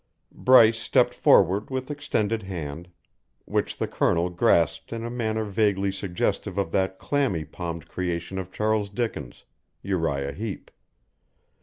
Bryce stepped forward with extended hand, which the Colonel grasped in a manner vaguely suggestive of that clammy palmed creation of Charles Dickens Uriah Heep.